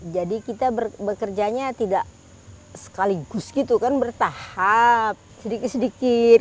jadi kita bekerjanya tidak sekaligus gitu kan bertahap sedikit sedikit